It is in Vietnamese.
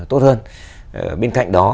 tốt hơn bên cạnh đó